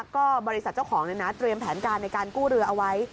ก็บริษัทเจ้าของเตรียมแผนการในการกู้เรือเอาไว้